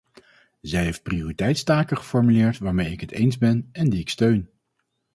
Zij heeft prioriteitstaken geformuleerd waarmee ik het eens ben en die ik steun.